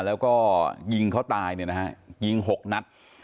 แล้วก็ยิงเขาตายเนี่ยนะฮะยิง๖นัด